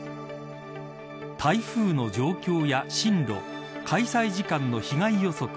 台風の状況や進路開催時間の被害予測